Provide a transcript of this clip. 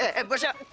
eh buat siapa